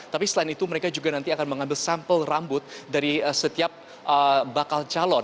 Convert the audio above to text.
tapi selain itu mereka juga nanti akan mengambil sampel rambut dari setiap bakal calon